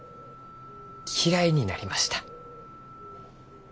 嫌いになりました。